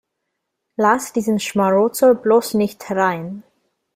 Lass diesen Schmarotzer bloß nicht herein!